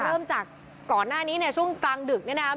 เริ่มจากก่อนหน้านี้เนี่ยช่วงกลางดึกเนี่ยนะครับ